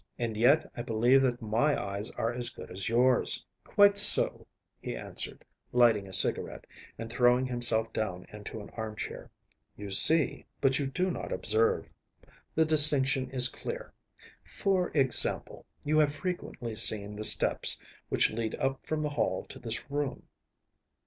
And yet I believe that my eyes are as good as yours.‚ÄĚ “Quite so,‚ÄĚ he answered, lighting a cigarette, and throwing himself down into an armchair. “You see, but you do not observe. The distinction is clear. For example, you have frequently seen the steps which lead up from the hall to this room.